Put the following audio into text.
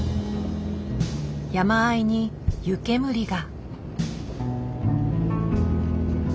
山あいに湯煙が。